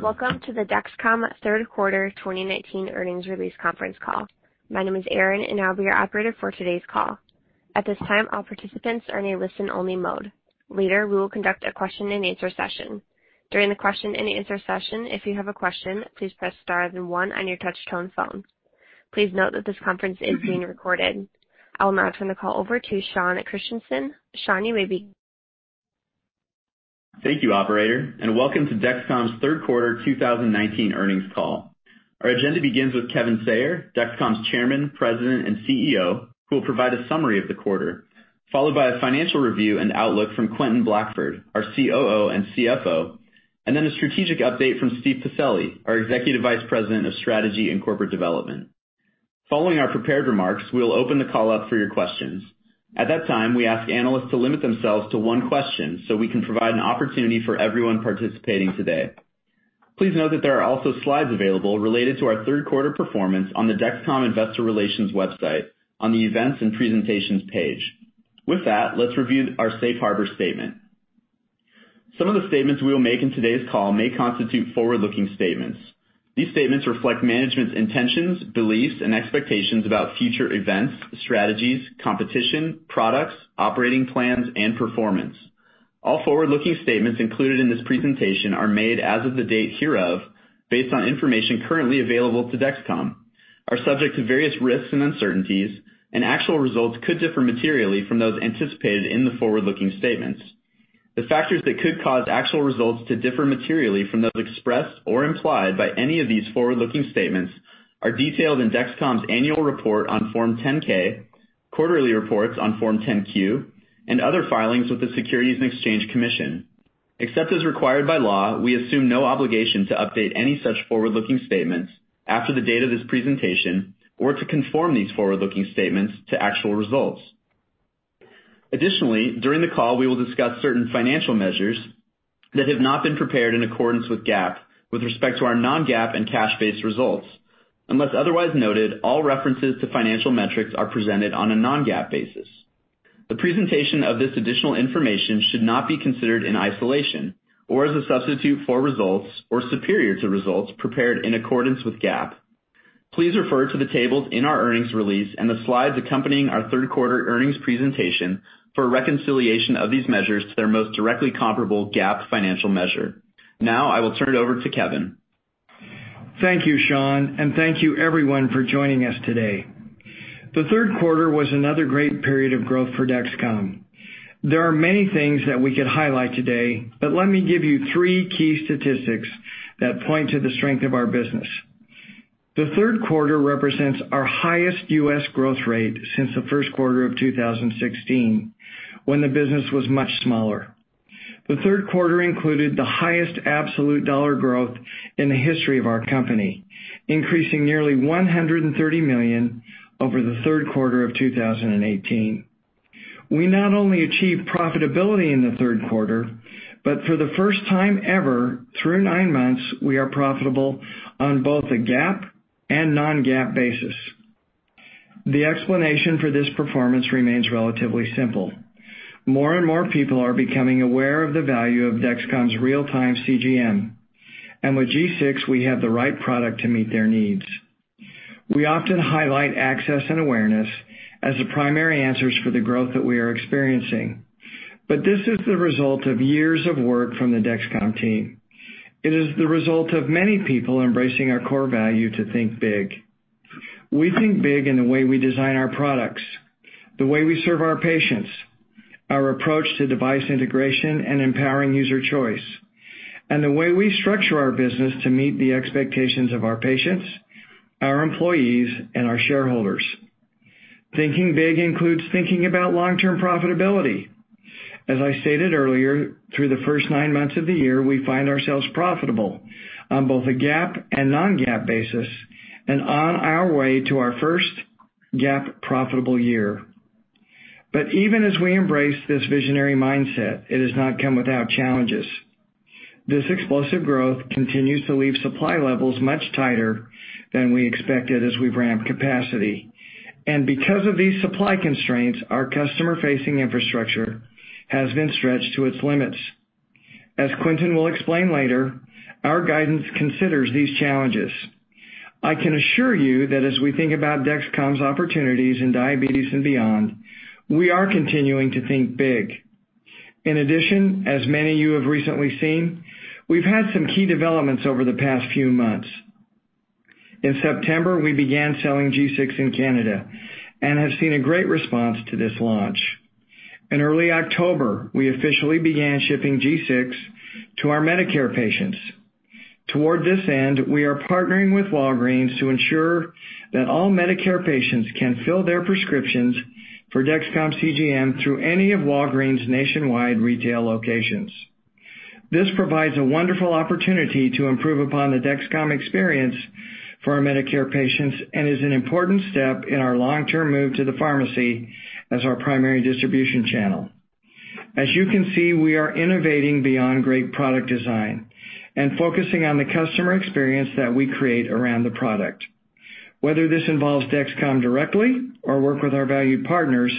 Welcome to the Dexcom third quarter 2019 earnings release conference call. My name is Erin, and I'll be your operator for today's call. At this time, all participants are in a listen-only mode. Later, we will conduct a question and answer session. During the question and answer session, if you have a question, please press star then one on your touch-tone phone. Please note that this conference is being recorded. I will now turn the call over to Sean Christensen. Sean, you may begin. Thank you, operator, welcome to Dexcom's third quarter 2019 earnings call. Our agenda begins with Kevin Sayer, Dexcom's Chairman, President, and CEO, who will provide a summary of the quarter, followed by a financial review and outlook from Quentin Blackford, our COO and CFO, then a strategic update from Steve Pacelli, our Executive Vice President of Strategy and Corporate Development. Following our prepared remarks, we will open the call up for your questions. At that time, we ask analysts to limit themselves to one question so we can provide an opportunity for everyone participating today. Please note that there are also slides available related to our third quarter performance on the Dexcom Investor Relations website on the Events and Presentations page. With that, let's review our safe harbor statement. Some of the statements we will make in today's call may constitute forward-looking statements. These statements reflect management's intentions, beliefs, and expectations about future events, strategies, competition, products, operating plans, and performance. All forward-looking statements included in this presentation are made as of the date hereof based on information currently available to Dexcom, are subject to various risks and uncertainties, and actual results could differ materially from those anticipated in the forward-looking statements. The factors that could cause actual results to differ materially from those expressed or implied by any of these forward-looking statements are detailed in Dexcom's annual report on Form 10-K, quarterly reports on Form 10-Q, and other filings with the Securities and Exchange Commission. Except as required by law, we assume no obligation to update any such forward-looking statements after the date of this presentation or to conform these forward-looking statements to actual results. Additionally, during the call, we will discuss certain financial measures that have not been prepared in accordance with GAAP with respect to our non-GAAP and cash-based results. Unless otherwise noted, all references to financial metrics are presented on a non-GAAP basis. The presentation of this additional information should not be considered in isolation or as a substitute for results or superior to results prepared in accordance with GAAP. Please refer to the tables in our earnings release and the slides accompanying our third quarter earnings presentation for a reconciliation of these measures to their most directly comparable GAAP financial measure. Now, I will turn it over to Kevin. Thank you, Sean, and thank you everyone for joining us today. The third quarter was another great period of growth for Dexcom. There are many things that we could highlight today, but let me give you three key statistics that point to the strength of our business. The third quarter represents our highest U.S. growth rate since the first quarter of 2016, when the business was much smaller. The third quarter included the highest absolute dollar growth in the history of our company, increasing nearly $130 million over the third quarter of 2018. We not only achieved profitability in the third quarter, but for the first time ever, through nine months, we are profitable on both a GAAP and non-GAAP basis. The explanation for this performance remains relatively simple. More and more people are becoming aware of the value of Dexcom's real-time CGM. With G6, we have the right product to meet their needs. We often highlight access and awareness as the primary answers for the growth that we are experiencing. This is the result of years of work from the Dexcom team. It is the result of many people embracing our core value to think big. We think big in the way we design our products, the way we serve our patients, our approach to device integration and empowering user choice, and the way we structure our business to meet the expectations of our patients, our employees, and our shareholders. Thinking big includes thinking about long-term profitability. As I stated earlier, through the first nine months of the year, we find ourselves profitable on both a GAAP and non-GAAP basis and on our way to our first GAAP profitable year. Even as we embrace this visionary mindset, it has not come without challenges. This explosive growth continues to leave supply levels much tighter than we expected as we ramp capacity. Because of these supply constraints, our customer-facing infrastructure has been stretched to its limits. As Quentin will explain later, our guidance considers these challenges. I can assure you that as we think about Dexcom's opportunities in diabetes and beyond, we are continuing to think big. In addition, as many of you have recently seen, we've had some key developments over the past few months. In September, we began selling G6 in Canada and have seen a great response to this launch. In early October, we officially began shipping G6 to our Medicare patients. Toward this end, we are partnering with Walgreens to ensure that all Medicare patients can fill their prescriptions for Dexcom CGM through any of Walgreens' nationwide retail locations. This provides a wonderful opportunity to improve upon the Dexcom experience for our Medicare patients and is an important step in our long-term move to the pharmacy as our primary distribution channel. As you can see, we are innovating beyond great product design and focusing on the customer experience that we create around the product. Whether this involves Dexcom directly or work with our valued partners,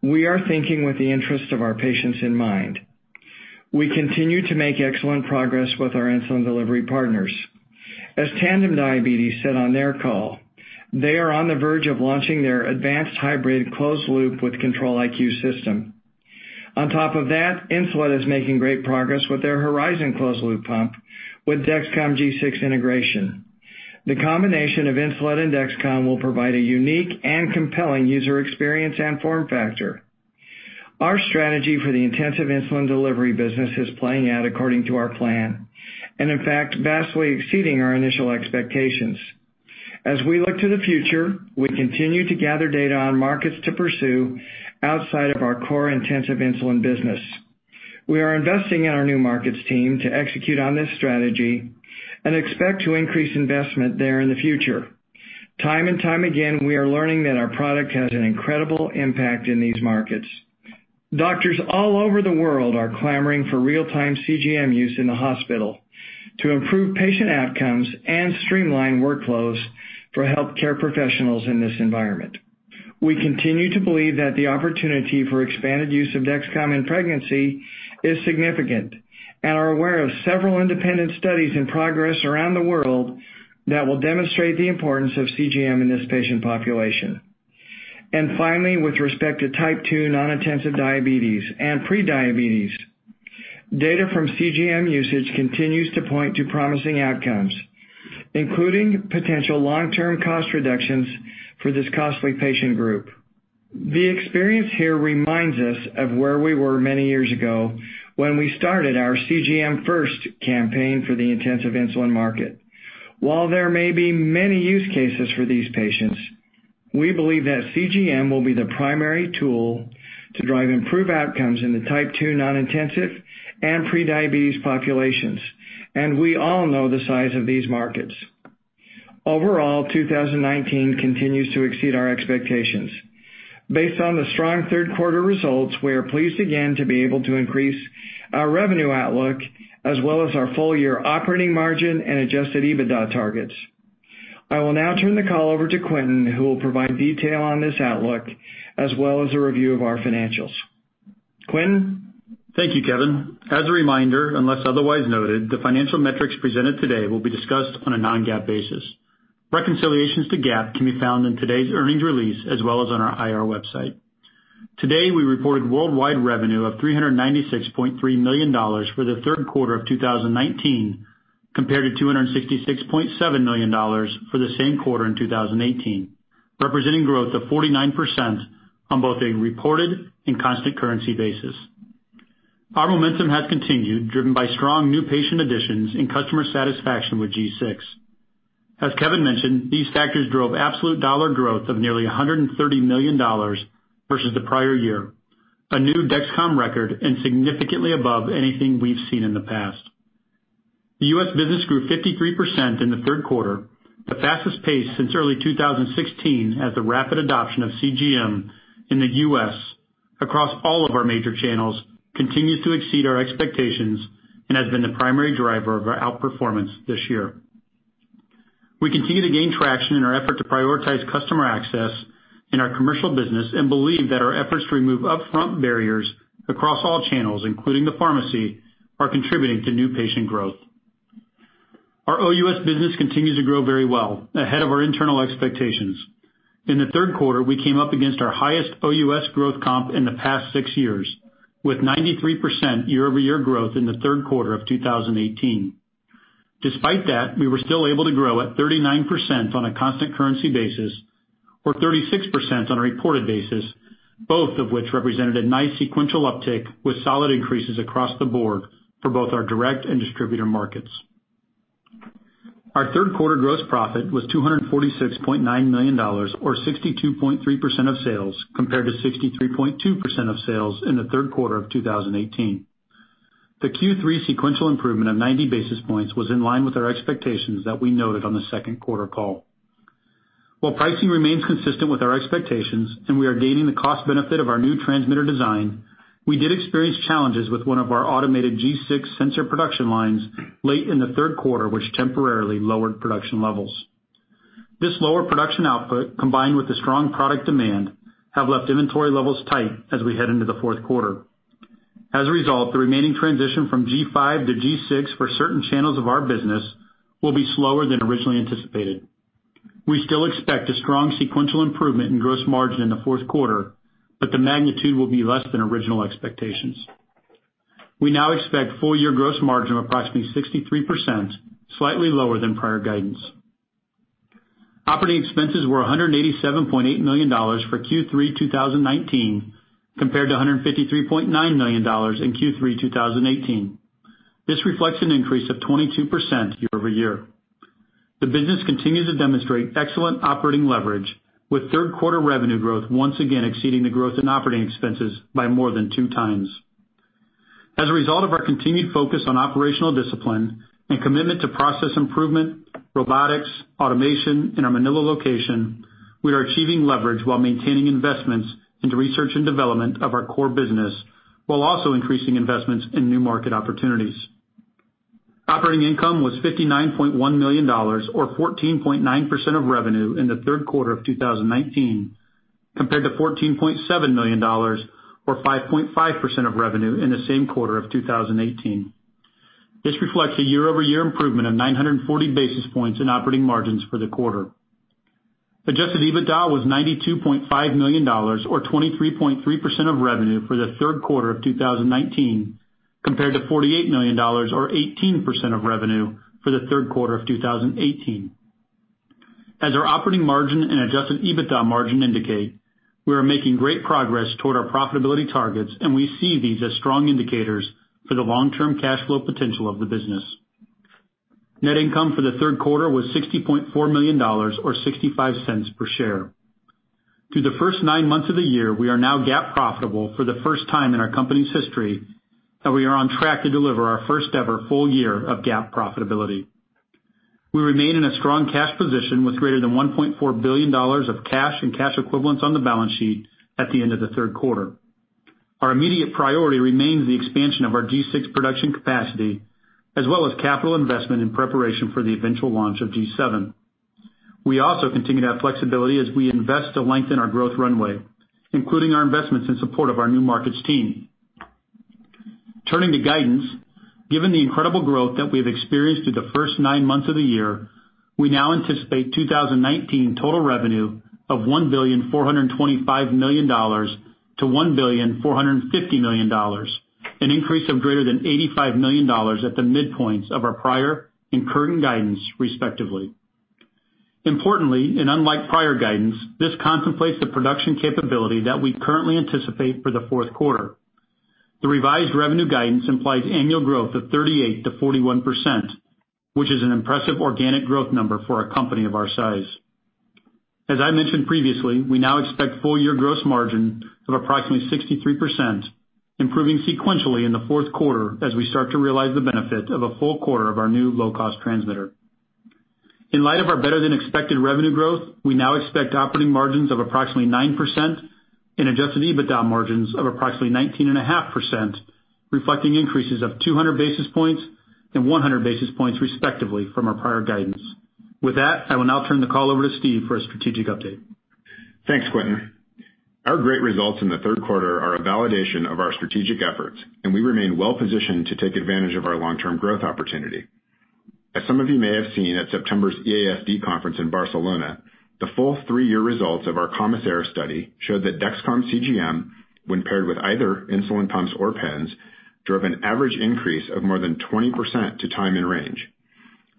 we are thinking with the interest of our patients in mind. We continue to make excellent progress with our insulin delivery partners. As Tandem Diabetes said on their call, they are on the verge of launching their advanced hybrid closed loop with Control-IQ system. Insulet is making great progress with their Horizon closed-loop pump with Dexcom G6 integration. The combination of Insulet and Dexcom will provide a unique and compelling user experience and form factor. Our strategy for the intensive insulin delivery business is playing out according to our plan, and in fact, vastly exceeding our initial expectations. As we look to the future, we continue to gather data on markets to pursue outside of our core intensive insulin business. We are investing in our new markets team to execute on this strategy and expect to increase investment there in the future. Time and time again, we are learning that our product has an incredible impact in these markets. Doctors all over the world are clamoring for real-time CGM use in the hospital to improve patient outcomes and streamline workflows for healthcare professionals in this environment. We continue to believe that the opportunity for expanded use of Dexcom in pregnancy is significant and are aware of several independent studies in progress around the world that will demonstrate the importance of CGM in this patient population. Finally, with respect to type 2 non-intensive diabetes and pre-diabetes, data from CGM usage continues to point to promising outcomes, including potential long-term cost reductions for this costly patient group. The experience here reminds us of where we were many years ago when we started our CGM first campaign for the intensive insulin market. While there may be many use cases for these patients, we believe that CGM will be the primary tool to drive improved outcomes in the type 2 non-intensive and pre-diabetes populations, and we all know the size of these markets. Overall, 2019 continues to exceed our expectations. Based on the strong third quarter results, we are pleased again to be able to increase our revenue outlook as well as our full-year operating margin and adjusted EBITDA targets. I will now turn the call over to Quentin, who will provide detail on this outlook as well as a review of our financials. Quentin? Thank you, Kevin. As a reminder, unless otherwise noted, the financial metrics presented today will be discussed on a non-GAAP basis. Reconciliations to GAAP can be found in today's earnings release as well as on our IR website. Today, we reported worldwide revenue of $396.3 million for the third quarter of 2019, compared to $266.7 million for the same quarter in 2018, representing growth of 49% on both a reported and constant currency basis. Our momentum has continued, driven by strong new patient additions and customer satisfaction with G6. As Kevin mentioned, these factors drove absolute dollar growth of nearly $130 million versus the prior year, a new Dexcom record, and significantly above anything we've seen in the past. The U.S. business grew 53% in the third quarter, the fastest pace since early 2016 as the rapid adoption of CGM in the U.S. across all of our major channels continues to exceed our expectations and has been the primary driver of our outperformance this year. We continue to gain traction in our effort to prioritize customer access in our commercial business and believe that our efforts to remove upfront barriers across all channels, including the pharmacy, are contributing to new patient growth. Our OUS business continues to grow very well, ahead of our internal expectations. In the third quarter, we came up against our highest OUS growth comp in the past six years, with 93% year-over-year growth in the third quarter of 2018. Despite that, we were still able to grow at 39% on a constant currency basis or 36% on a reported basis, both of which represented a nice sequential uptick with solid increases across the board for both our direct and distributor markets. Our third quarter gross profit was $246.9 million or 62.3% of sales, compared to 63.2% of sales in the third quarter of 2018. The Q3 sequential improvement of 90 basis points was in line with our expectations that we noted on the second quarter call. While pricing remains consistent with our expectations and we are gaining the cost benefit of our new transmitter design, we did experience challenges with one of our automated G6 sensor production lines late in the third quarter, which temporarily lowered production levels. This lower production output, combined with the strong product demand, have left inventory levels tight as we head into the fourth quarter. As a result, the remaining transition from G5 to G6 for certain channels of our business will be slower than originally anticipated. We still expect a strong sequential improvement in gross margin in the fourth quarter, but the magnitude will be less than original expectations. We now expect full-year gross margin of approximately 63%, slightly lower than prior guidance. Operating expenses were $187.8 million for Q3 2019, compared to $153.9 million in Q3 2018. This reflects an increase of 22% year-over-year. The business continues to demonstrate excellent operating leverage with third quarter revenue growth once again exceeding the growth in operating expenses by more than 2 times. As a result of our continued focus on operational discipline and commitment to process improvement, robotics, automation in our Manila location, we are achieving leverage while maintaining investments into research and development of our core business while also increasing investments in new market opportunities. Operating income was $59.1 million, or 14.9% of revenue in the third quarter of 2019, compared to $14.7 million, or 5.5% of revenue in the same quarter of 2018. This reflects a year-over-year improvement of 940 basis points in operating margins for the quarter. Adjusted EBITDA was $92.5 million, or 23.3% of revenue for the third quarter of 2019, compared to $48 million or 18% of revenue for the third quarter of 2018. As our operating margin and adjusted EBITDA margin indicate, we are making great progress toward our profitability targets, and we see these as strong indicators for the long-term cash flow potential of the business. Net income for the third quarter was $60.4 million or $0.65 per share. Through the first nine months of the year, we are now GAAP profitable for the first time in our company's history, and we are on track to deliver our first-ever full year of GAAP profitability. We remain in a strong cash position with greater than $1.4 billion of cash and cash equivalents on the balance sheet at the end of the third quarter. Our immediate priority remains the expansion of our G6 production capacity, as well as capital investment in preparation for the eventual launch of G7. We also continue to have flexibility as we invest to lengthen our growth runway, including our investments in support of our new markets team. Turning to guidance, given the incredible growth that we have experienced through the first nine months of the year, we now anticipate 2019 total revenue of $1,425 million to $1,450 million, an increase of greater than $85 million at the midpoints of our prior and current guidance, respectively. Importantly, unlike prior guidance, this contemplates the production capability that we currently anticipate for the fourth quarter. The revised revenue guidance implies annual growth of 38%-41%, which is an impressive organic growth number for a company of our size. As I mentioned previously, we now expect full-year gross margin of approximately 63%, improving sequentially in the fourth quarter as we start to realize the benefit of a full quarter of our new low-cost transmitter. In light of our better-than-expected revenue growth, we now expect operating margins of approximately 9% and adjusted EBITDA margins of approximately 19.5%, reflecting increases of 200 basis points and 100 basis points, respectively, from our prior guidance. With that, I will now turn the call over to Steve for a strategic update. Thanks, Quentin. Our great results in the third quarter are a validation of our strategic efforts, and we remain well-positioned to take advantage of our long-term growth opportunity. As some of you may have seen at September's EASD conference in Barcelona, the full three-year results of our COMISAIR study showed that Dexcom CGM, when paired with either insulin pumps or pens, drove an average increase of more than 20% to time in range.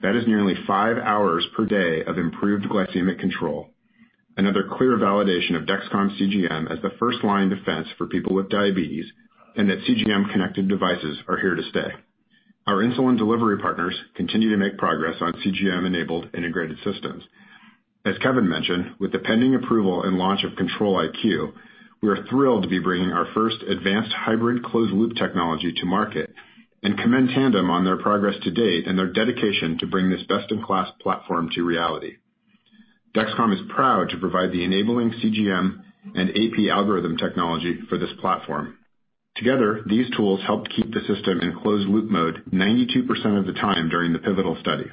That is nearly five hours per day of improved glycemic control. Another clear validation of Dexcom CGM as the first-line defense for people with diabetes, and that CGM connected devices are here to stay. Our insulin delivery partners continue to make progress on CGM-enabled integrated systems. As Kevin mentioned, with the pending approval and launch of Control-IQ, we are thrilled to be bringing our first advanced hybrid closed-loop technology to market, and commend Tandem on their progress to date and their dedication to bring this best-in-class platform to reality. Dexcom is proud to provide the enabling CGM and AP algorithm technology for this platform. Together, these tools helped keep the system in closed-loop mode 92% of the time during the pivotal study.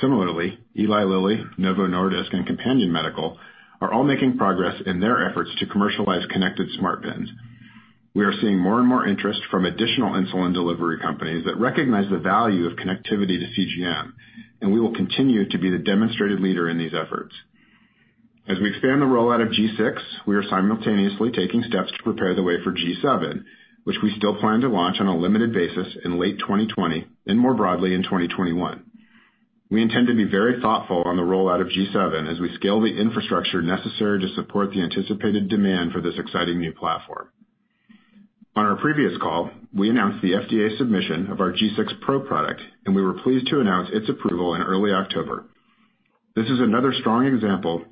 Similarly, Eli Lilly, Novo Nordisk, and Companion Medical are all making progress in their efforts to commercialize connected smart pens. We are seeing more and more interest from additional insulin delivery companies that recognize the value of connectivity to CGM, and we will continue to be the demonstrated leader in these efforts. As we expand the rollout of G6, we are simultaneously taking steps to prepare the way for G7, which we still plan to launch on a limited basis in late 2020, and more broadly in 2021. We intend to be very thoughtful on the rollout of G7 as we scale the infrastructure necessary to support the anticipated demand for this exciting new platform. On our previous call, we announced the FDA submission of our G6 Pro product, and we were pleased to announce its approval in early October. This is another strong example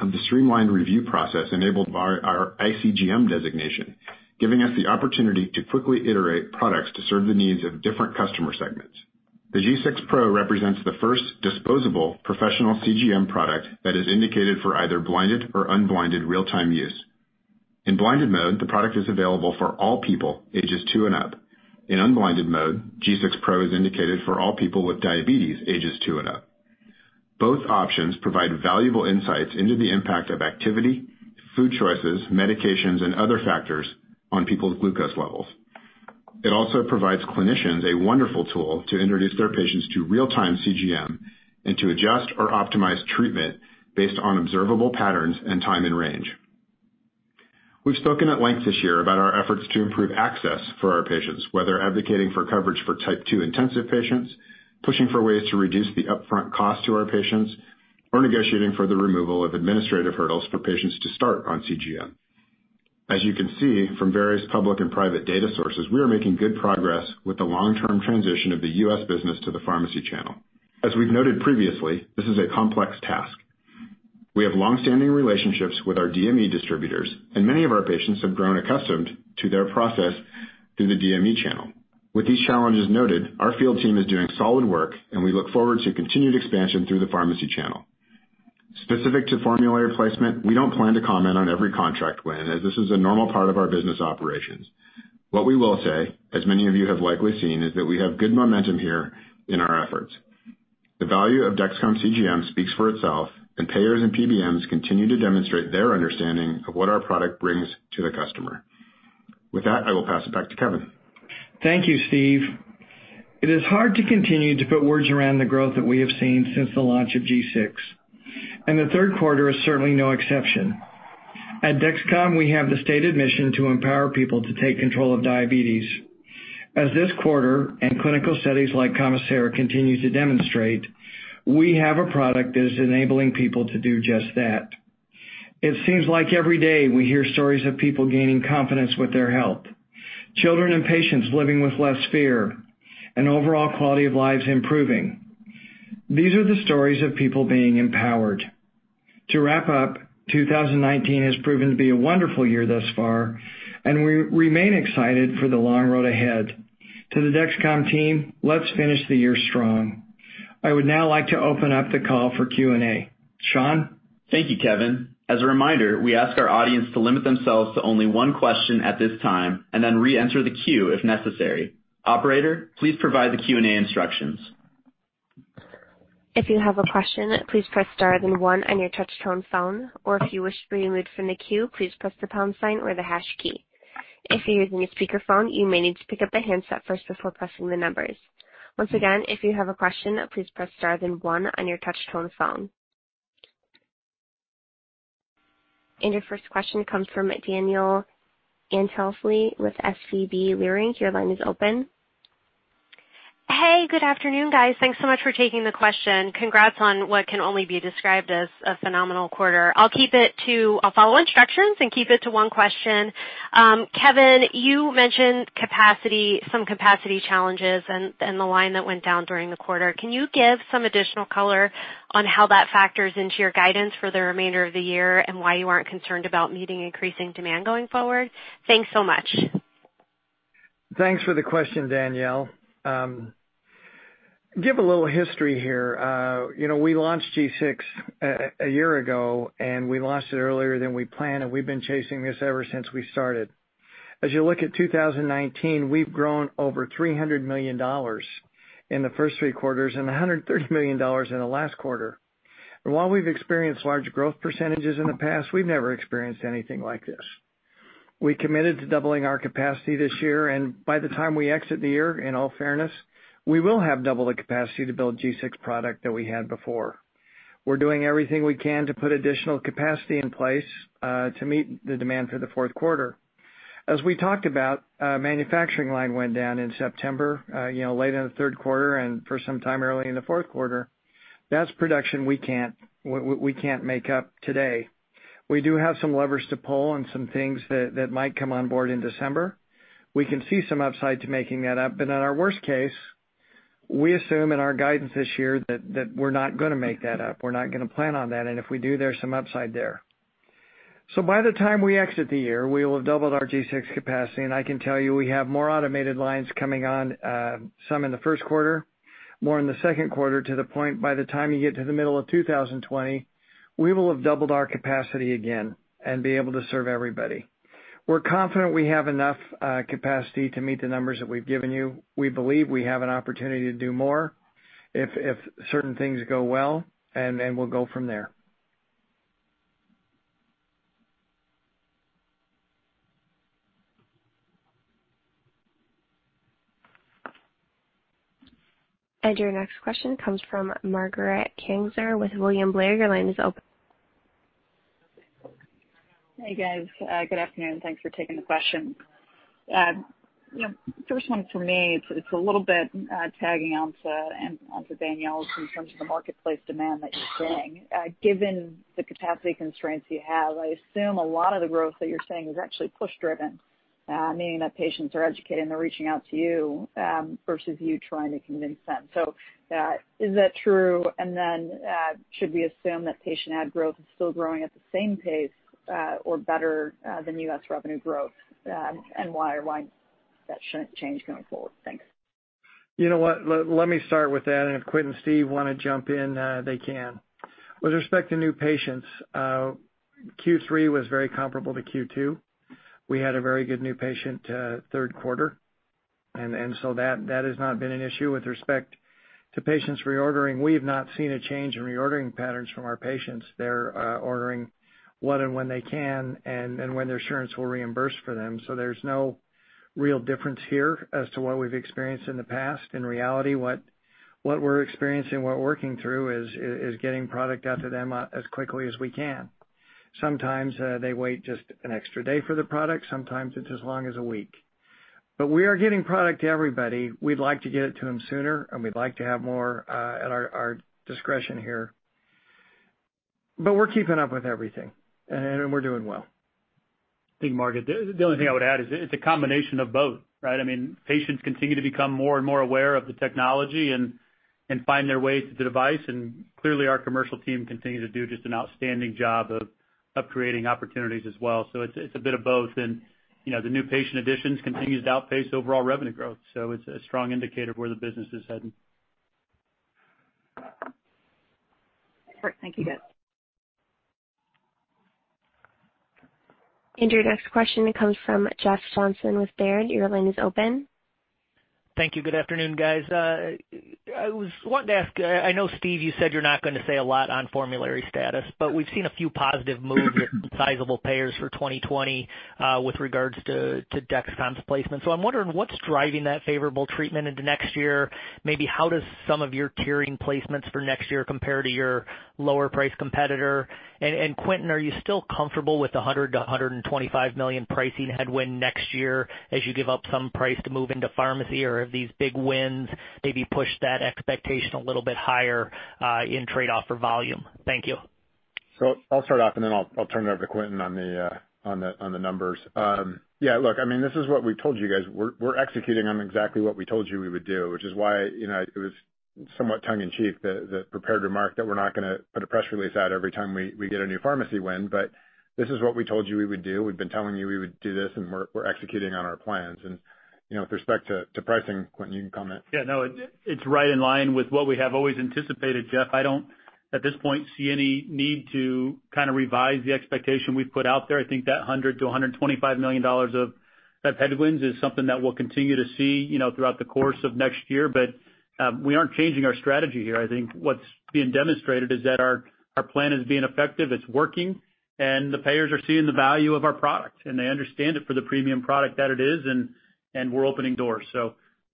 of the streamlined review process enabled by our iCGM designation, giving us the opportunity to quickly iterate products to serve the needs of different customer segments. The G6 Pro represents the first disposable professional CGM product that is indicated for either blinded or unblinded real-time use. In blinded mode, the product is available for all people ages 2 and up. In unblinded mode, G6 Pro is indicated for all people with diabetes ages 2 and up. Both options provide valuable insights into the impact of activity, food choices, medications, and other factors on people's glucose levels. It also provides clinicians a wonderful tool to introduce their patients to real-time CGM and to adjust or optimize treatment based on observable patterns and time and range. We've spoken at length this year about our efforts to improve access for our patients, whether advocating for coverage for type 2 intensive patients, pushing for ways to reduce the upfront cost to our patients, or negotiating for the removal of administrative hurdles for patients to start on CGM. As you can see from various public and private data sources, we are making good progress with the long-term transition of the US business to the pharmacy channel. As we've noted previously, this is a complex task. We have longstanding relationships with our DME distributors, and many of our patients have grown accustomed to their process through the DME channel. With these challenges noted, our field team is doing solid work, and we look forward to continued expansion through the pharmacy channel. Specific to formulary placement, we don't plan to comment on every contract win, as this is a normal part of our business operations. What we will say, as many of you have likely seen, is that we have good momentum here in our efforts. The value of Dexcom CGM speaks for itself, and payers and PBMs continue to demonstrate their understanding of what our product brings to the customer. With that, I will pass it back to Kevin. Thank you, Steve. It is hard to continue to put words around the growth that we have seen since the launch of G6. The third quarter is certainly no exception. At Dexcom, we have the stated mission to empower people to take control of diabetes. As this quarter and clinical studies like COMISAIR continue to demonstrate, we have a product that is enabling people to do just that. It seems like every day we hear stories of people gaining confidence with their health, children and patients living with less fear, and overall quality of lives improving. These are the stories of people being empowered. To wrap up, 2019 has proven to be a wonderful year thus far, and we remain excited for the long road ahead. To the Dexcom team, let's finish the year strong. I would now like to open up the call for Q&A. Sean? Thank you, Kevin. As a reminder, we ask our audience to limit themselves to only one question at this time, and then reenter the queue if necessary. Operator, please provide the Q&A instructions. If you have a question, please press star then one on your touch-tone phone, or if you wish to be removed from the queue, please press the pound sign or the hash key. If you're using a speakerphone, you may need to pick up the handset first before pressing the numbers. Once again, if you have a question, please press star then one on your touch-tone phone. Your first question comes from Danielle Antalffy with SVB Leerink. Your line is open. Hey, good afternoon, guys. Thanks so much for taking the question. Congrats on what can only be described as a phenomenal quarter. I'll follow instructions and keep it to one question. Kevin, you mentioned some capacity challenges and the line that went down during the quarter. Can you give some additional color on how that factors into your guidance for the remainder of the year, and why you aren't concerned about meeting increasing demand going forward? Thanks so much. Thanks for the question, Danielle Antalffy. Give a little history here. We launched G6 a year ago. We launched it earlier than we planned, and we've been chasing this ever since we started. As you look at 2019, we've grown over $300 million in the first three quarters and $130 million in the last quarter. While we've experienced large growth percentages in the past, we've never experienced anything like this. We committed to doubling our capacity this year. By the time we exit the year, in all fairness, we will have double the capacity to build G6 product that we had before. We're doing everything we can to put additional capacity in place to meet the demand for the fourth quarter. As we talked about, a manufacturing line went down in September, late in the third quarter and for some time early in the fourth quarter. That's production we can't make up today. We do have some levers to pull on some things that might come on board in December. We can see some upside to making that up. In our worst case, we assume in our guidance this year that we're not going to make that up. We're not going to plan on that. If we do, there's some upside there. By the time we exit the year, we will have doubled our G6 capacity, and I can tell you we have more automated lines coming on, some in the first quarter, more in the second quarter, to the point by the time you get to the middle of 2020, we will have doubled our capacity again and be able to serve everybody. We're confident we have enough capacity to meet the numbers that we've given you. We believe we have an opportunity to do more if certain things go well, and we'll go from there. Your next question comes from Margaret Kaczor with William Blair. Your line is open. Hey, guys. Good afternoon. Thanks for taking the question. First one for me, it's a little bit tagging onto Danielle's in terms of the marketplace demand that you're seeing. Given the capacity constraints you have, I assume a lot of the growth that you're seeing is actually push-driven, meaning that patients are educated and they're reaching out to you, versus you trying to convince them. Is that true? Then, should we assume that patient add growth is still growing at the same pace, or better, than U.S. revenue growth? Why, or why that shouldn't change going forward? Thanks. You know what? Let me start with that, and if Quint and Steve want to jump in, they can. With respect to new patients, Q3 was very comparable to Q2. We had a very good new patient third quarter. That has not been an issue. With respect to patients reordering, we have not seen a change in reordering patterns from our patients. They're ordering what and when they can and when their insurance will reimburse for them. There's no real difference here as to what we've experienced in the past. In reality, what we're experiencing, what we're working through is getting product out to them as quickly as we can. Sometimes they wait just an extra day for the product. Sometimes it's as long as a week. We are getting product to everybody. We'd like to get it to them sooner, and we'd like to have more at our discretion here. We're keeping up with everything, and we're doing well. I think, Margaret, the only thing I would add is it's a combination of both, right? Patients continue to become more and more aware of the technology and find their way to the device, and clearly our commercial team continues to do just an outstanding job of Up creating opportunities as well. It's a bit of both and the new patient additions continues to outpace overall revenue growth, so it's a strong indicator of where the business is heading. Great. Thank you, guys. Andrea, next question comes from Jeff Johnson with Baird. Your line is open. Thank you. Good afternoon, guys. I was wanting to ask, I know, Steve, you said you're not going to say a lot on formulary status, but we've seen a few positive moves with sizable payers for 2020 with regards to Dexcom's placement. I'm wondering what's driving that favorable treatment into next year, maybe how does some of your carrying placements for next year compare to your lower priced competitor? Quentin, are you still comfortable with the $100 million-$125 million pricing headwind next year as you give up some price to move into pharmacy, or have these big wins maybe pushed that expectation a little bit higher in trade-off for volume? Thank you. I'll start off and then I'll turn it over to Quentin on the numbers. Yeah, look, this is what we've told you guys. We're executing on exactly what we told you we would do, which is why it was somewhat tongue in cheek, the prepared remark that we're not going to put a press release out every time we get a new pharmacy win. This is what we told you we would do. We've been telling you we would do this, and we're executing on our plans. With respect to pricing, Quentin, you can comment. Yeah, no, it's right in line with what we have always anticipated, Jeff. I don't, at this point, see any need to revise the expectation we've put out there. I think that $100 million-$125 million of headwinds is something that we'll continue to see throughout the course of next year. We aren't changing our strategy here. I think what's being demonstrated is that our plan is being effective. It's working, and the payers are seeing the value of our product, and they understand it for the premium product that it is, and we're opening doors.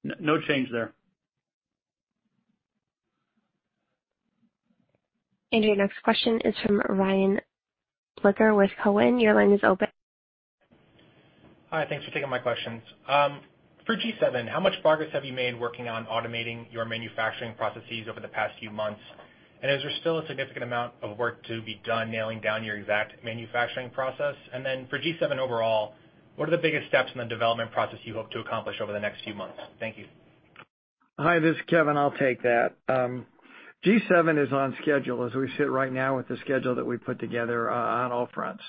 No change there. And your, next question is from Ryan Blicker with Cowen. Your line is open. Hi, thanks for taking my questions. For G7, how much progress have you made working on automating your manufacturing processes over the past few months? Is there still a significant amount of work to be done nailing down your exact manufacturing process? For G7 overall, what are the biggest steps in the development process you hope to accomplish over the next few months? Thank you. Hi, this is Kevin. I'll take that. G7 is on schedule as we sit right now with the schedule that we put together on all fronts.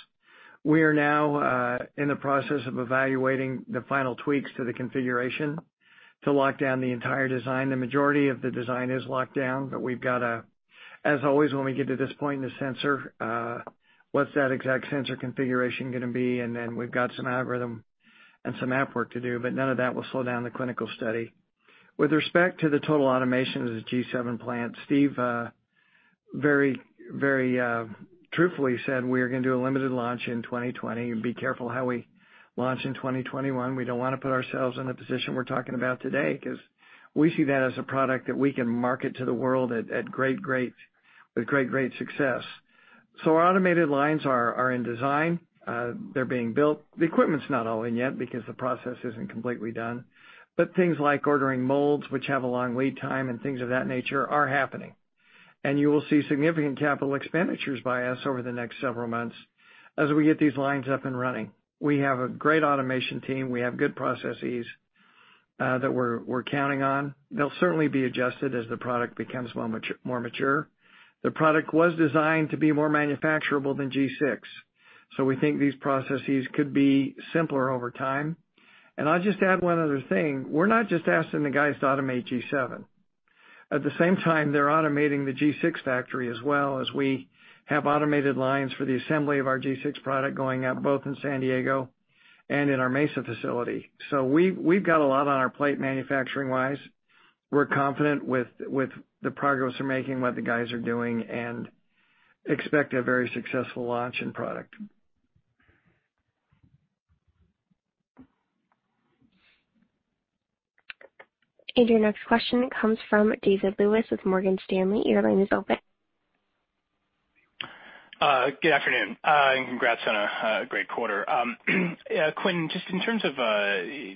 We are now in the process of evaluating the final tweaks to the configuration to lock down the entire design. The majority of the design is locked down, but we've got a, as always, when we get to this point in the sensor, what's that exact sensor configuration going to be, and then we've got some algorithm and some app work to do, but none of that will slow down the clinical study. With respect to the total automation of the G7 plant, Steve very truthfully said we're going to do a limited launch in 2020 and be careful how we launch in 2021. We don't want to put ourselves in a position we're talking about today because we see that as a product that we can market to the world with great success. Our automated lines are in design. They're being built. The equipment's not all in yet because the process isn't completely done. Things like ordering molds, which have a long lead time, and things of that nature are happening. You will see significant capital expenditures by us over the next several months as we get these lines up and running. We have a great automation team. We have good processes that we're counting on. They'll certainly be adjusted as the product becomes more mature. The product was designed to be more manufacturable than G6. We think these processes could be simpler over time. I'll just add one other thing. We're not just asking the guys to automate G7. At the same time, they're automating the G6 factory as well as we have automated lines for the assembly of our G6 product going out both in San Diego and in our Mesa facility. We've got a lot on our plate manufacturing wise. We're confident with the progress we're making, what the guys are doing, and expect a very successful launch and product. Andrea, next question comes from David Lewis with Morgan Stanley. Your line is open. Good afternoon. Congrats on a great quarter. Quentin, just in terms of the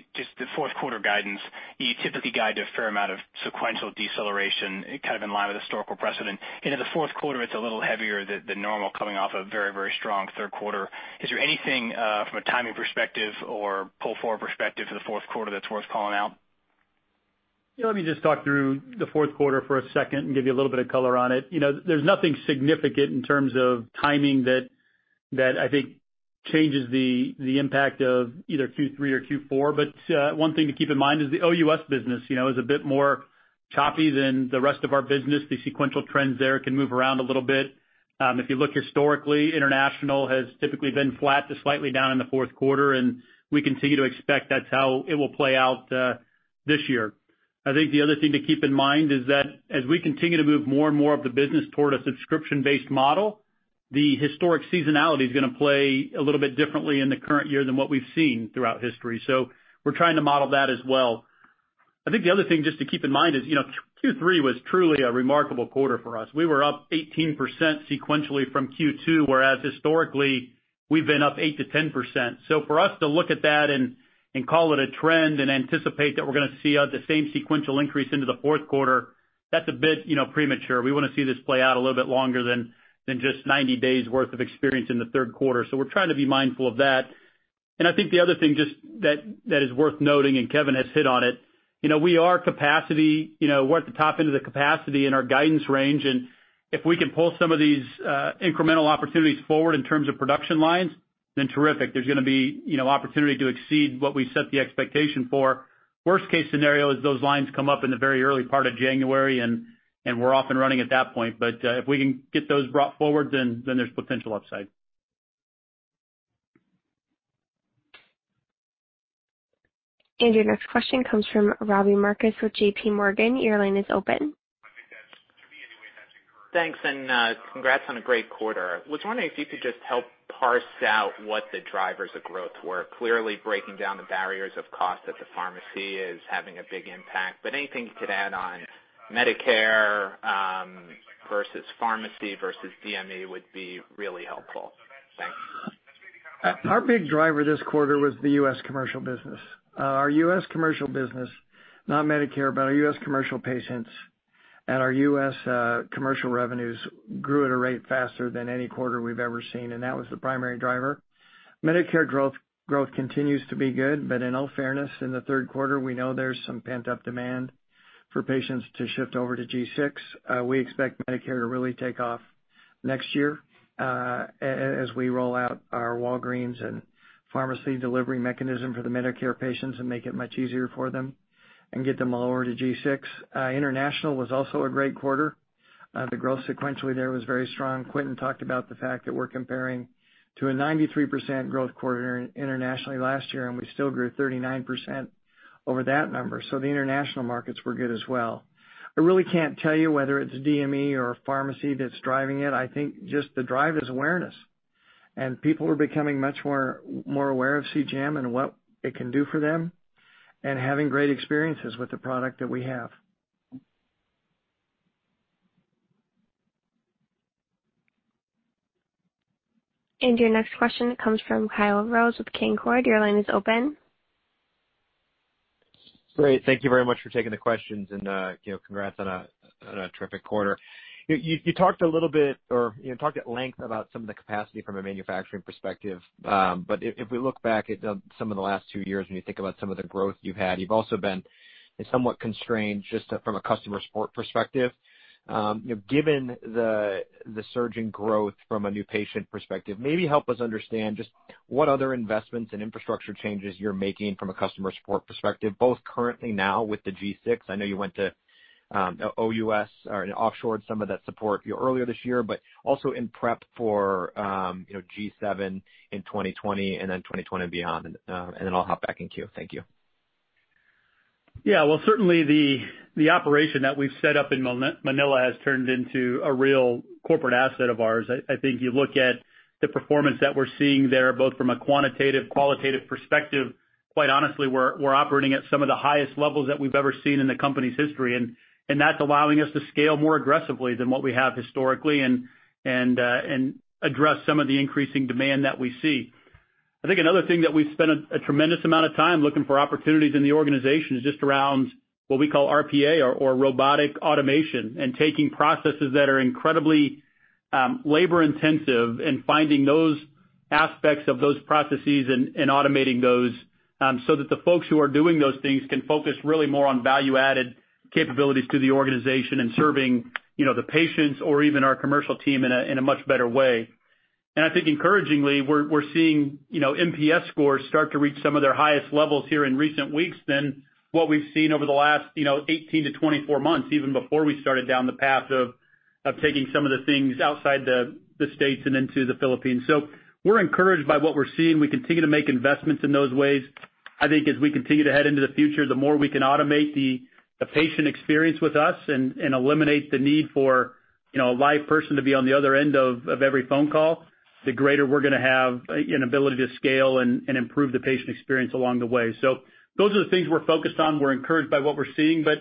fourth quarter guidance, you typically guide a fair amount of sequential deceleration, kind of in line with historical precedent. Into the fourth quarter, it's a little heavier than normal coming off a very strong third quarter. Is there anything from a timing perspective or pull-forward perspective for the fourth quarter that's worth calling out? Let me just talk through the fourth quarter for a second and give you a little bit of color on it. There's nothing significant in terms of timing that I think changes the impact of either Q3 or Q4. One thing to keep in mind is the OUS business is a bit more choppy than the rest of our business. The sequential trends there can move around a little bit. If you look historically, international has typically been flat to slightly down in the fourth quarter, and we continue to expect that's how it will play out this year. I think the other thing to keep in mind is that as we continue to move more and more of the business toward a subscription-based model, the historic seasonality is going to play a little bit differently in the current year than what we've seen throughout history. We're trying to model that as well. I think the other thing just to keep in mind is Q3 was truly a remarkable quarter for us. We were up 18% sequentially from Q2, whereas historically, we've been up 8%-10%. For us to look at that and call it a trend and anticipate that we're going to see the same sequential increase into the fourth quarter, that's a bit premature. We want to see this play out a little bit longer than just 90 days worth of experience in the third quarter. We're trying to be mindful of that. I think the other thing just that is worth noting, and Kevin has hit on it, we're at the top end of the capacity in our guidance range, and if we can pull some of these incremental opportunities forward in terms of production lines, then terrific. There's going to be opportunity to exceed what we set the expectation for. Worst case scenario is those lines come up in the very early part of January, and we're off and running at that point. If we can get those brought forward, then there's potential upside. Your next question comes from Robbie Marcus with JPMorgan. Your line is open. Thanks. Congrats on a great quarter. I was wondering if you could just help parse out what the drivers of growth were. Clearly, breaking down the barriers of cost at the pharmacy is having a big impact. Anything you could add on Medicare versus pharmacy versus DME would be really helpful. Thanks. Our big driver this quarter was the U.S. commercial business. Our U.S. commercial business, not Medicare, but our U.S. commercial patients and our U.S. commercial revenues grew at a rate faster than any quarter we've ever seen, and that was the primary driver. Medicare growth continues to be good, but in all fairness, in the third quarter, we know there's some pent-up demand for patients to shift over to G6. We expect Medicare to really take off next year as we roll out our Walgreens and pharmacy delivery mechanism for the Medicare patients and make it much easier for them and get them all over to G6. International was also a great quarter. The growth sequentially there was very strong. Quentin talked about the fact that we're comparing to a 93% growth quarter internationally last year, and we still grew 39% over that number. The international markets were good as well. I really can't tell you whether it's DME or pharmacy that's driving it. I think just the drive is awareness. People are becoming much more aware of CGM and what it can do for them and having great experiences with the product that we have. Your next question comes from Kyle Rose with Canaccord Genuity. Your line is open. Great. Thank you very much for taking the questions and congrats on a terrific quarter. You talked at length about some of the capacity from a manufacturing perspective. If we look back at some of the last two years, when you think about some of the growth you've had, you've also been somewhat constrained just from a customer support perspective. Given the surge in growth from a new patient perspective, maybe help us understand just what other investments and infrastructure changes you're making from a customer support perspective, both currently now with the G6. I know you went to OUS and offshored some of that support earlier this year, but also in prep for G7 in 2020 and then 2020 and beyond. I'll hop back in queue. Thank you. Yeah. Well, certainly the operation that we've set up in Manila has turned into a real corporate asset of ours. I think you look at the performance that we're seeing there, both from a quantitative, qualitative perspective, quite honestly, we're operating at some of the highest levels that we've ever seen in the company's history, and that's allowing us to scale more aggressively than what we have historically and address some of the increasing demand that we see. Another thing that we've spent a tremendous amount of time looking for opportunities in the organization is just around what we call RPA or robotic automation, taking processes that are incredibly labor-intensive and finding those aspects of those processes and automating those so that the folks who are doing those things can focus really more on value-added capabilities to the organization and serving the patients or even our commercial team in a much better way. I think encouragingly, we're seeing NPS scores start to reach some of their highest levels here in recent weeks than what we've seen over the last 18 to 24 months, even before we started down the path of taking some of the things outside the U.S. and into the Philippines. We're encouraged by what we're seeing. We continue to make investments in those ways. I think as we continue to head into the future, the more we can automate the patient experience with us and eliminate the need for a live person to be on the other end of every phone call, the greater we're going to have an ability to scale and improve the patient experience along the way. Those are the things we're focused on. We're encouraged by what we're seeing, but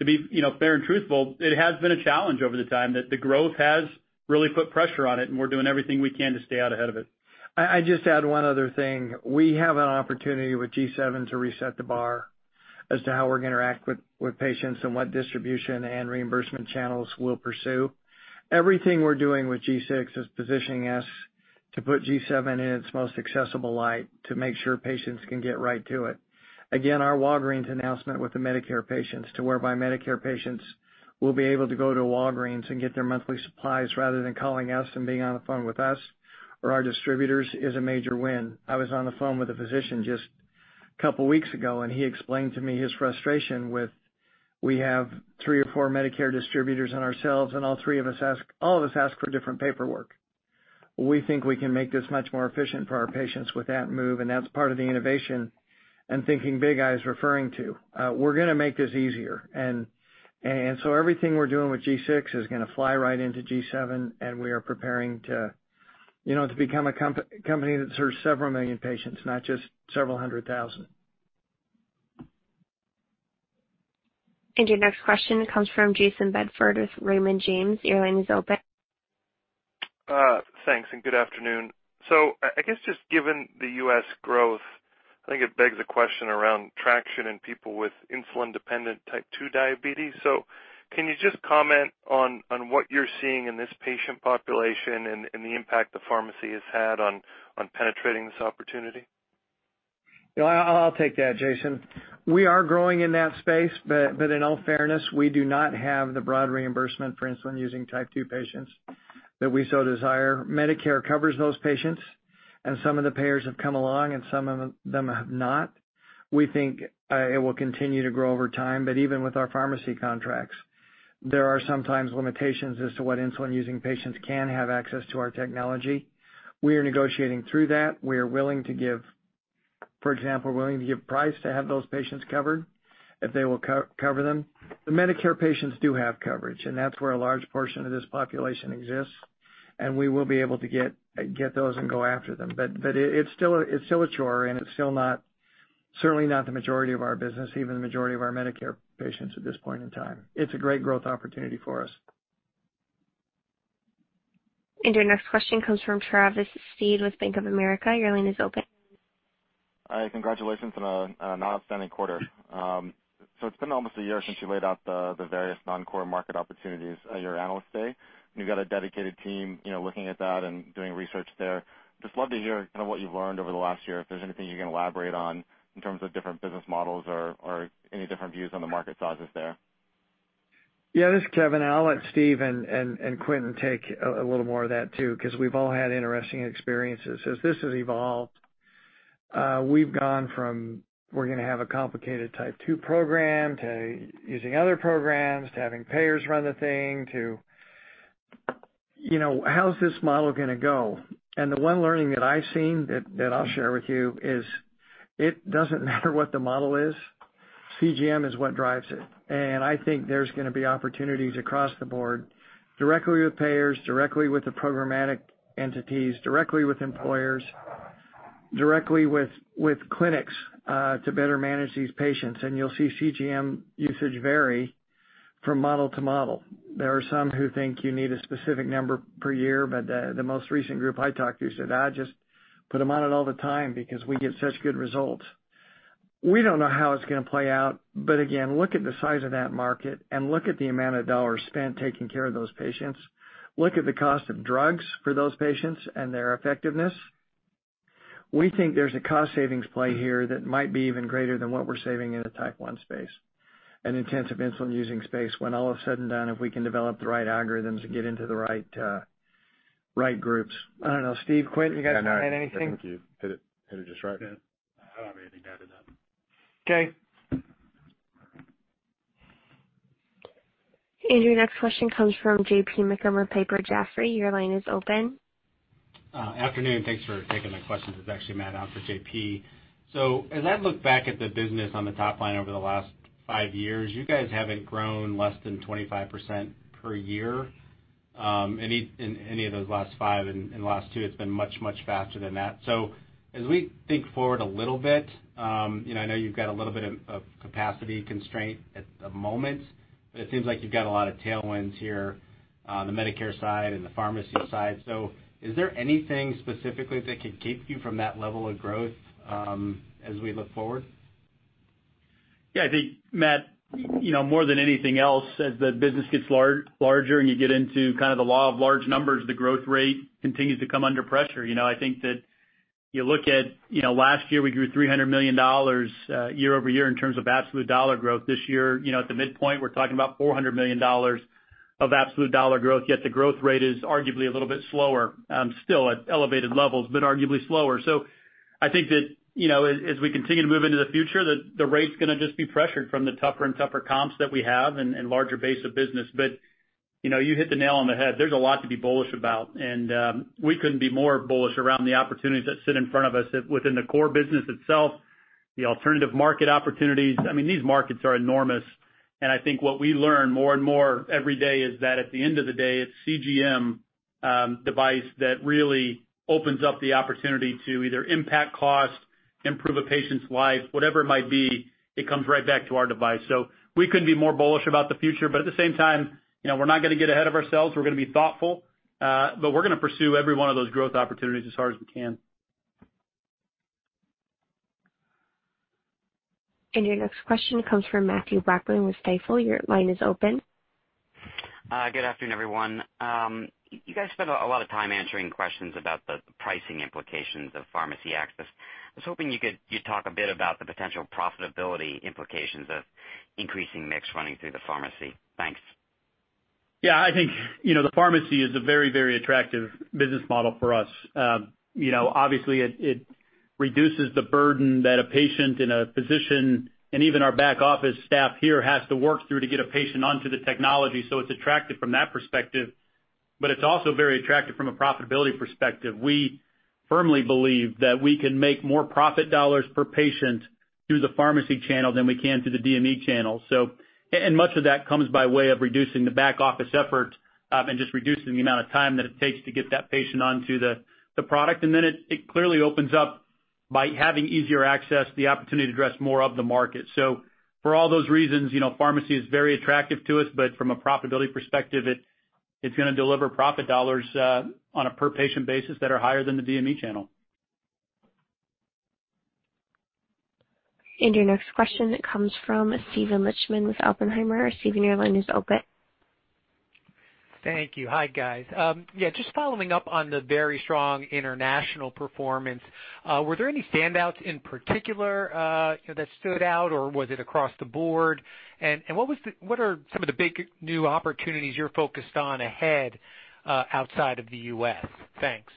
to be fair and truthful, it has been a challenge over the time that the growth has really put pressure on it, and we're doing everything we can to stay out ahead of it. I just add one other thing. We have an opportunity with G7 to reset the bar as to how we're going to interact with patients and what distribution and reimbursement channels we'll pursue. Everything we're doing with G6 is positioning us to put G7 in its most accessible light to make sure patients can get right to it. Again, our Walgreens announcement with the Medicare patients to whereby Medicare patients will be able to go to Walgreens and get their monthly supplies rather than calling us and being on the phone with us or our distributors is a major win. I was on the phone with a physician just a couple of weeks ago, and he explained to me his frustration with, we have three or four Medicare distributors and ourselves, and all of us ask for different paperwork. We think we can make this much more efficient for our patients with that move. That's part of the innovation and thinking big I was referring to. We're going to make this easier. Everything we're doing with G6 is going to fly right into G7, and we are preparing to become a company that serves several million patients, not just several hundred thousand. Your next question comes from Jayson Bedford with Raymond James. Your line is open. Thanks, and good afternoon. I guess just given the U.S. growth I think it begs the question around traction in people with insulin-dependent type 2 diabetes. Can you just comment on what you're seeing in this patient population and the impact the pharmacy has had on penetrating this opportunity? I'll take that, Jayson. We are growing in that space. In all fairness, we do not have the broad reimbursement for insulin-using type 2 patients that we so desire. Medicare covers those patients, and some of the payers have come along, and some of them have not. We think it will continue to grow over time. Even with our pharmacy contracts, there are sometimes limitations as to what insulin-using patients can have access to our technology. We are negotiating through that. We are, for example, willing to give price to have those patients covered if they will cover them. The Medicare patients do have coverage, and that's where a large portion of this population exists, and we will be able to get those and go after them. It's still a chore, and it's still certainly not the majority of our business, even the majority of our Medicare patients at this point in time. It's a great growth opportunity for us. Your next question comes from Travis Steed with Bank of America. Your line is open. Hi. Congratulations on an outstanding quarter. It's been almost a year since you laid out the various non-core market opportunities at your Analyst Day, and you've got a dedicated team looking at that and doing research there. Just love to hear kind of what you've learned over the last year, if there's anything you can elaborate on in terms of different business models or any different views on the market sizes there. Yeah. This is Kevin. I'll let Steve and Quentin take a little more of that too, because we've all had interesting experiences. As this has evolved, we've gone from, we're going to have a complicated type 2 program to using other programs to having payers run the thing to how's this model going to go? The one learning that I've seen that I'll share with you is it doesn't matter what the model is. CGM is what drives it. I think there's going to be opportunities across the board directly with payers, directly with the programmatic entities, directly with employers, directly with clinics to better manage these patients. You'll see CGM usage vary from model to model. There are some who think you need a specific number per year. The most recent group I talked to said, "I just put them on it all the time because we get such good results." We don't know how it's going to play out. Again, look at the size of that market and look at the amount of dollars spent taking care of those patients. Look at the cost of drugs for those patients and their effectiveness. We think there's a cost savings play here that might be even greater than what we're saving in a type 1 space and intensive insulin-using space when all of a sudden then if we can develop the right algorithms and get into the right groups. I don't know, Steve, Quentin, you guys want to add anything? I think you hit it just right. I don't have anything to add to that. Okay. Your next question comes from JP McKim, Piper Jaffray. Your line is open. Afternoon. Thanks for taking my questions. It's actually Matt out for JP. As I look back at the business on the top line over the last five years, you guys haven't grown less than 25% per year in any of those last five. In the last two, it's been much, much faster than that. As we think forward a little bit, I know you've got a little bit of capacity constraint at the moment, but it seems like you've got a lot of tailwinds here on the Medicare side and the pharmacy side. Is there anything specifically that could keep you from that level of growth as we look forward? Yeah, I think, Matt, more than anything else, as the business gets larger and you get into kind of the law of large numbers, the growth rate continues to come under pressure. I think that you look at last year, we grew $300 million year-over-year in terms of absolute dollar growth. This year, at the midpoint, we're talking about $400 million of absolute dollar growth, yet the growth rate is arguably a little bit slower. Still at elevated levels, arguably slower. I think that as we continue to move into the future, the rate's going to just be pressured from the tougher and tougher comps that we have and larger base of business. You hit the nail on the head. There's a lot to be bullish about. We couldn't be more bullish around the opportunities that sit in front of us within the core business itself, the alternative market opportunities. These markets are enormous, and I think what we learn more and more every day is that at the end of the day, it's CGM device that really opens up the opportunity to either impact cost, improve a patient's life, whatever it might be, it comes right back to our device. We couldn't be more bullish about the future. At the same time, we're not going to get ahead of ourselves. We're going to be thoughtful. We're going to pursue every one of those growth opportunities as hard as we can. Your next question comes from Matthew Blackman with Stifel. Your line is open. Good afternoon, everyone. You guys spend a lot of time answering questions about the pricing implications of pharmacy access. I was hoping you could just talk a bit about the potential profitability implications of increasing mix running through the pharmacy. Thanks. Yeah. I think the pharmacy is a very, very attractive business model for us. Obviously, it reduces the burden that a patient and a physician, and even our back-office staff here has to work through to get a patient onto the technology. It's attractive from that perspective, but it's also very attractive from a profitability perspective. We firmly believe that we can make more profit dollars per patient through the pharmacy channel than we can through the DME channel. Much of that comes by way of reducing the back-office effort and just reducing the amount of time that it takes to get that patient onto the product. It clearly opens up by having easier access, the opportunity to address more of the market. For all those reasons, pharmacy is very attractive to us. From a profitability perspective, It's going to deliver profit dollars on a per-patient basis that are higher than the DME channel. Your next question comes from Steven Lichtman with Oppenheimer. Steven, your line is open. Thank you. Hi, guys. Yeah, just following up on the very strong international performance. Were there any standouts in particular that stood out, or was it across the board? What are some of the big new opportunities you're focused on ahead outside of the U.S.? Thanks.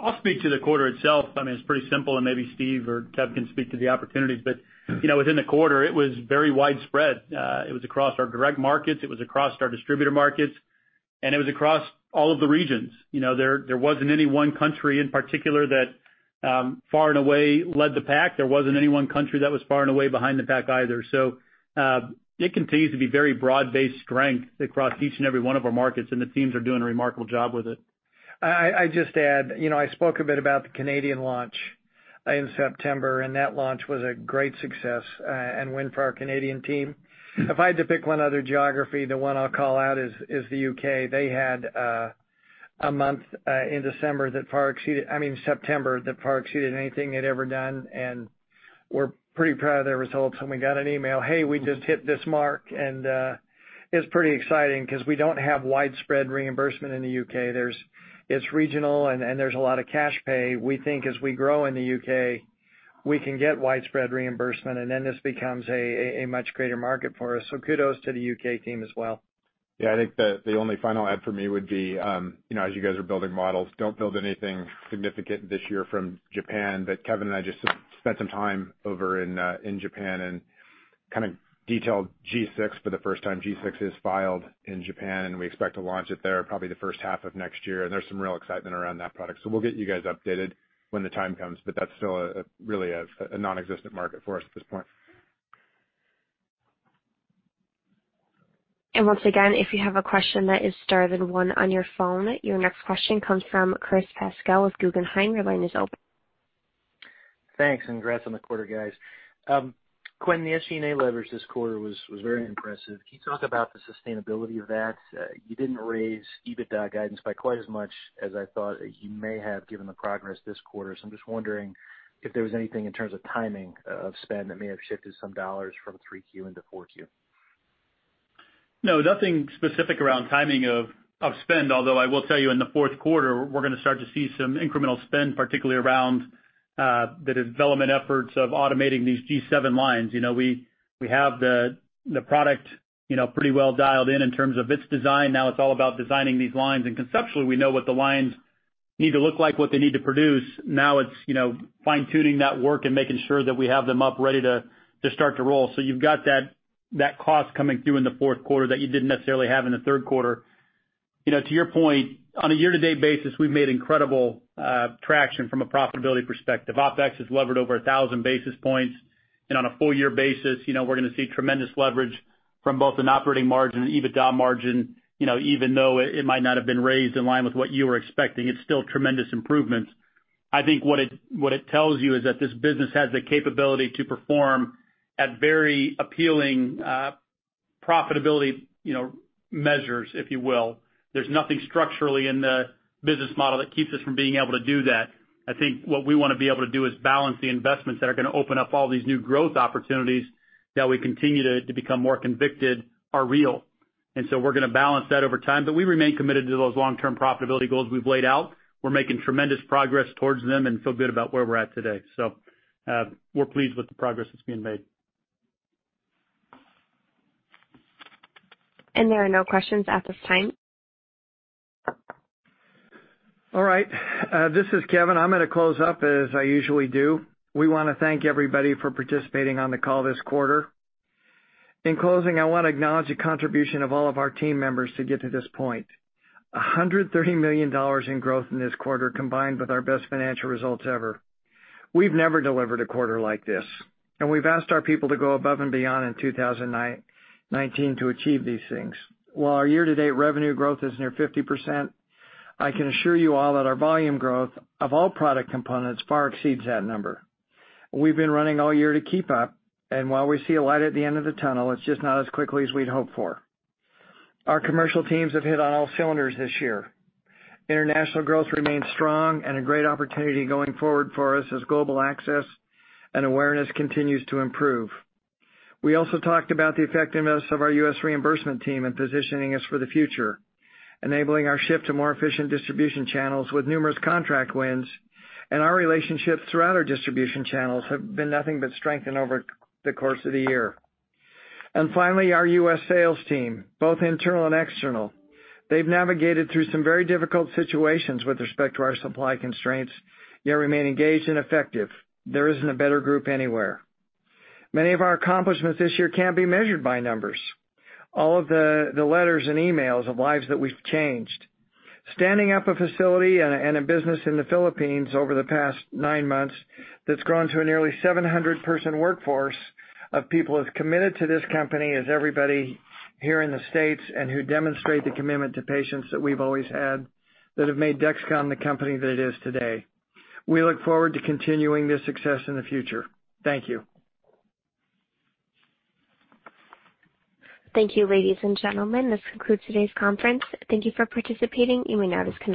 I'll speak to the quarter itself. It's pretty simple, and maybe Steve or Kev can speak to the opportunities. Within the quarter, it was very widespread. It was across our direct markets, it was across our distributor markets, and it was across all of the regions. There wasn't any one country in particular that far and away led the pack. There wasn't any one country that was far and away behind the pack either. It continues to be very broad-based strength across each and every one of our markets, and the teams are doing a remarkable job with it. I just add, I spoke a bit about the Canadian launch in September, and that launch was a great success and win for our Canadian team. If I had to pick one other geography, the one I'll call out is the U.K. They had a month in December that far exceeded-- I mean September, that far exceeded anything they'd ever done, and we're pretty proud of their results. And we got an email, "Hey, we just hit this mark." It's pretty exciting because we don't have widespread reimbursement in the U.K. It's regional, and there's a lot of cash pay. We think as we grow in the U.K., we can get widespread reimbursement, and then this becomes a much greater market for us. Kudos to the U.K. team as well. Yeah, I think the only final add for me would be as you guys are building models, don't build anything significant this year from Japan. Kevin and I just spent some time over in Japan and kind of detailed G6 for the first time. G6 is filed in Japan, and we expect to launch it there probably the first half of next year, and there's some real excitement around that product. We'll get you guys updated when the time comes, but that's still really a nonexistent market for us at this point. Once again, if you have a question that is star one on your phone. Your next question comes from Chris Pasquale with Guggenheim. Your line is open. Thanks, and congrats on the quarter, guys. Quentin, the SG&A leverage this quarter was very impressive. You didn't raise EBITDA guidance by quite as much as I thought you may have given the progress this quarter. I'm just wondering if there was anything in terms of timing of spend that may have shifted some dollars from 3Q into 4Q. No, nothing specific around timing of spend. Although I will tell you in the fourth quarter, we're going to start to see some incremental spend, particularly around the development efforts of automating these G7 lines. We have the product pretty well dialed in terms of its design. Now it's all about designing these lines, and conceptually, we know what the lines need to look like, what they need to produce. Now it's fine-tuning that work and making sure that we have them up ready to start to roll. You've got that cost coming through in the fourth quarter that you didn't necessarily have in the third quarter. To your point, on a year-to-date basis, we've made incredible traction from a profitability perspective. OPEX has levered over 1,000 basis points, and on a full-year basis we're going to see tremendous leverage from both an operating margin and EBITDA margin. Even though it might not have been raised in line with what you were expecting, it's still tremendous improvements. I think what it tells you is that this business has the capability to perform at very appealing profitability measures, if you will. There's nothing structurally in the business model that keeps us from being able to do that. I think what we want to be able to do is balance the investments that are going to open up all these new growth opportunities that we continue to become more convicted are real. We're going to balance that over time. We remain committed to those long-term profitability goals we've laid out. We're making tremendous progress towards them and feel good about where we're at today. We're pleased with the progress that's being made. There are no questions at this time. All right. This is Kevin. I'm going to close up as I usually do. We want to thank everybody for participating on the call this quarter. In closing, I want to acknowledge the contribution of all of our team members to get to this point. $130 million in growth in this quarter, combined with our best financial results ever. We've never delivered a quarter like this. We've asked our people to go above and beyond in 2019 to achieve these things. While our year-to-date revenue growth is near 50%, I can assure you all that our volume growth of all product components far exceeds that number. We've been running all year to keep up. While we see a light at the end of the tunnel, it's just not as quickly as we'd hoped for. Our commercial teams have hit on all cylinders this year. International growth remains strong and a great opportunity going forward for us as global access and awareness continues to improve. We also talked about the effectiveness of our U.S. reimbursement team in positioning us for the future, enabling our shift to more efficient distribution channels with numerous contract wins. Our relationships throughout our distribution channels have been nothing but strengthened over the course of the year. Finally, our U.S. sales team, both internal and external, they've navigated through some very difficult situations with respect to our supply constraints, yet remain engaged and effective. There isn't a better group anywhere. Many of our accomplishments this year can't be measured by numbers. All of the letters and emails of lives that we've changed. Standing up a facility and a business in the Philippines over the past nine months that's grown to a nearly 700-person workforce of people as committed to this company as everybody here in the U.S., and who demonstrate the commitment to patients that we've always had, that have made Dexcom the company that it is today. We look forward to continuing this success in the future. Thank you. Thank you, ladies and gentlemen. This concludes today's conference. Thank you for participating. You may now disconnect.